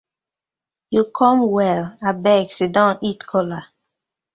Yu com well, abeg siddon eat kola.